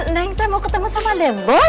neng teh mau ketemu sama dem boy